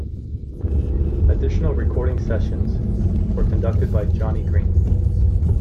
Additional recording sessions were conducted by Johnny Green.